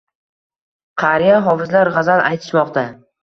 Qariya hofizlar g‘azal aytishmoqda.